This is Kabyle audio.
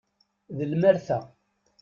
D lmerta.